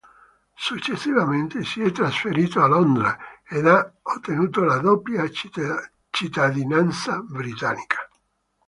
Successivamente si è trasferito a Londra ed ha ottenuto la doppia cittadinanza britannica.